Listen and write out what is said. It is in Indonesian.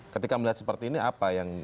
ketika melihat seperti ini apa yang